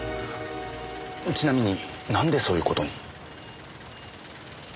ちなみになんでそういう事に？